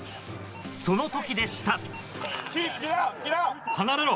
その時でした。